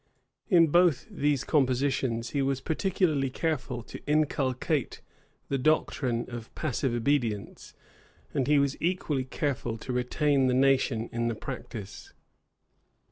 In both these compositions, he was particularly careful to inculcate the doctrine of passive obedience; and he was equally careful to retain the nation in the practice.